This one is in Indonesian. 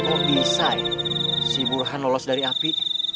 kok bisa sih si burhan lolos dari api